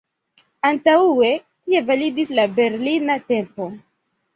Antaŭe tie validis la Berlina tempo.